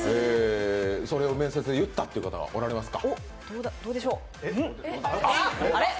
それを面接で言ったという方、おられますか。